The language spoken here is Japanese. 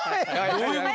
どういうこと？